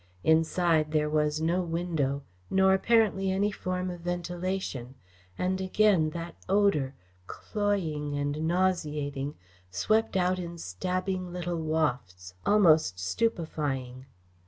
Inside there was no window, nor apparently any form of ventilation, and again that odour, cloying and nauseating, swept out in stabbing little wafts, almost stupefying.